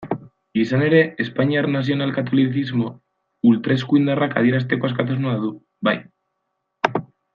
Izan ere, espainiar nazional-katolizismo ultraeskuindarrak adierazteko askatasuna du, bai.